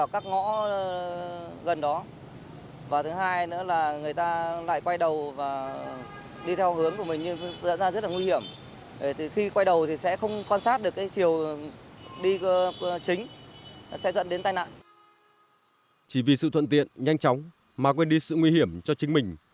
chỉ vì sự thuận tiện nhanh chóng mà quên đi sự nguy hiểm cho chính mình